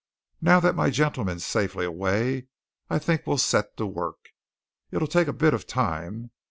"Now that my gentleman's safely away I think we'll set to work. It'll take a bit of time.